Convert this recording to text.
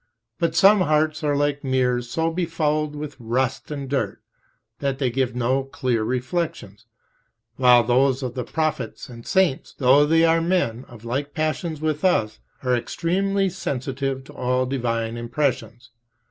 But some hearts are like mirrors so befouled with rust and dirt that they give no clear reflections, while those of the prophets and saints, though they are men "of like passions with us," are extremely sensitive to all divine impressions.